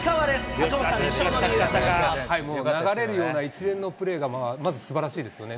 赤星さん、受賞の理由をお願いし最後、流れるような一連のプレーがまずすばらしいですよね。